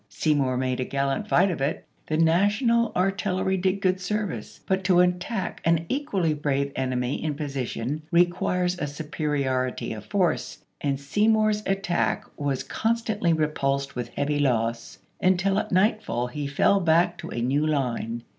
Seymour made a gallant fight of it; the \^^^ll^:" National artillery did good service ; but to attack ^^° an equally brave enemy in position requires a supe riority of force, and Seymour's attack was con stantly repulsed with heavy loss, until at nightfall Feb.20,1864. he fell back to a new line.